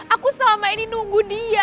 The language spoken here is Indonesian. aku selama ini nunggu dia